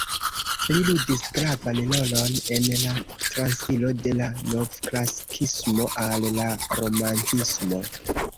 Li ludis gravan rolon en la transiro de la Novklasikismo al la Romantismo.